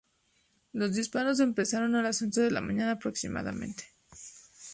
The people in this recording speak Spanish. Los disparos empezaron a las once de la mañana aproximadamente.